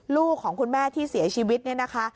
ลูกของคุณแม่ที่เสียชีวิตเนี่ยนะคะ